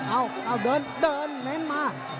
เอ้าเดินแม่งมา